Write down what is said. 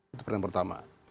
itu yang pertama